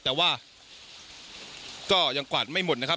แต่ว่าก็ยังกวาดไม่หมดนะครับ